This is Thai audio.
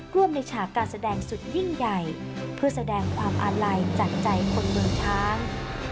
ร่วมในฉากการแสดงสุดยิ่งใหญ่เพื่อแสดงความอาลัยจากใจคนเมืองช้าง